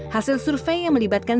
hasil survei yang melibatkan